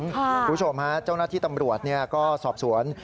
คุณผู้ชมฮะเจ้าหน้าที่ตำรวจก็สอบสวน